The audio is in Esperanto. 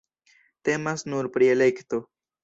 Temas nur pri elekto.